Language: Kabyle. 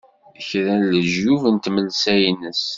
kra n leǧyub n tmelsa-ines.